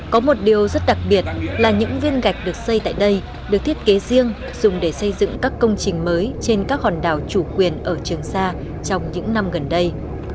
có một điều rất đặc biệt là những viên gạch được xây tại đây được thiết kế riêng dùng để xây dựng các công trình mới trên các hòn đảo chủ quyền ở trường sa trong những năm gần đây